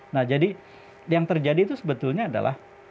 nah jadi yang terjadi itu sebetulnya adalah